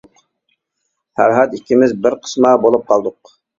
پەرھات ئىككىمىز بىر قىسما بولۇپ قالدۇق.